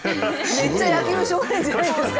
めっちゃ野球少年じゃないですか。